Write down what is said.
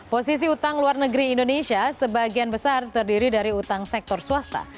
posisi utang luar negeri indonesia sebagian besar terdiri dari utang sektor swasta